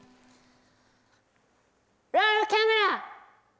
ロールキャメラ！